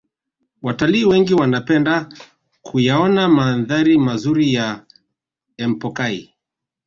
Watalii wengi wanapenda kuyaona mandhari mazuri ya empokai